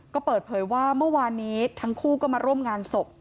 ก็เปิดเผยว่าเมื่อวานนี้ทั้งคู่ก็มาร่วมงานศพ